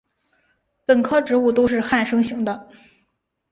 本科植物都是旱生型的。